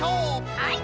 はい。